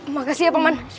makasih ya paman